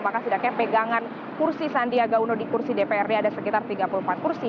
maka setidaknya pegangan kursi sandiaga uno di kursi dprd ada sekitar tiga puluh empat kursi